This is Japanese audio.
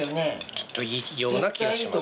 きっといいような気がします。